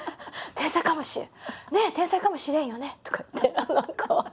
ねえ天才かもしれんよね」とか言って何か。